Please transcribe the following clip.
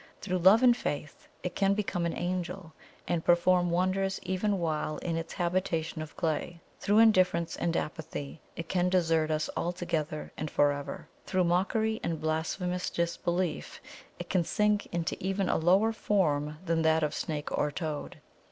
Through Love and Faith, it can become an Angel, and perform wonders even while in its habitation of clay; through indifference and apathy, it can desert us altogether and for ever; through mockery and blasphemous disbelief, it can sink into even a lower form than that of snake or toad.